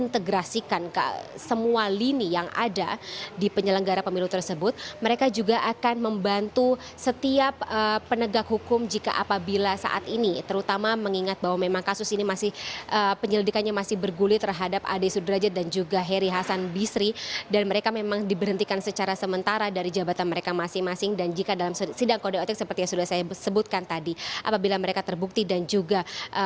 dan juga mereka akan mengintegrasikan semua lini yang ada di penyelenggara pemilu tersebut mereka juga akan membantu setiap penegak hukum jika apabila saat ini terutama mengingat bahwa memang kasus ini masih penyelidikannya masih berguli terhadap ade sudrajat dan juga heri hasan bisri dan mereka memang diberhentikan secara sementara dari jabatan mereka masing masing dan jika dalam sidang kode otik seperti yang sudah saya sebutkan tadi apabila mereka terbukti dan juga